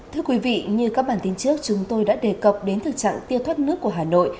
thưa quý vị như các bản tin trước chúng tôi đã đề cập đến thực trạng tiêu thoát nước của hà nội